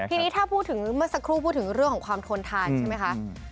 ทีนี้ถ้าพูดถึงเมื่อสักครู่พูดถึงเรื่องของความทนทานใช่ไหมคะ